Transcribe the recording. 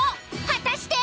果たして！？